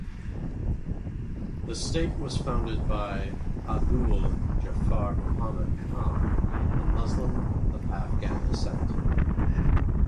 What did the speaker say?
The state was founded by 'Abdu'l Ghafur Muhammad Khan, a Muslim of Afghan descent.